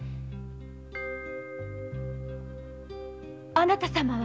あなた様は！